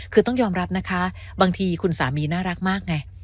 คือต้องยอมรับนะคะบางทีคุณสามีน่ารักมากไง